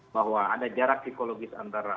bahwa ada jarak psikologis antara